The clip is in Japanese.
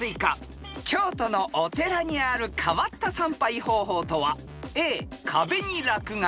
［京都のお寺にある変わった参拝方法とは］